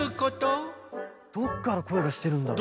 どっからこえがしてるんだろう？